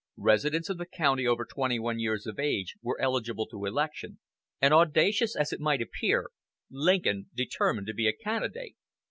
Residents of the county over twenty one years of age were eligible to election, and audacious as it might appear, Lincoln determined to be a candidate.